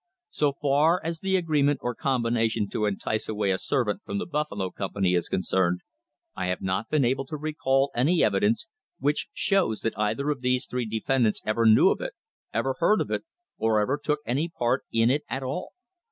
So far as the agreement or combination to entice away a servant from the Buffalo company is concerned, I have not been able to recall any evidence which shows that either of these three defendants ever knew of it, ever heard of it, or ever took any part in it at all.